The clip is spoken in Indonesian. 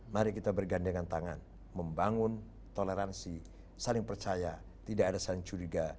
mari kita bergandengan tangan membangun toleransi saling percaya tidak ada saling curiga